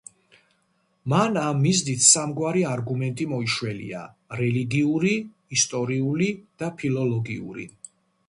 მან ამ მიზნით სამგვარი არგუმენტი მოიშველია: რელიგიური, ისტორიული და ფილოლოგიური.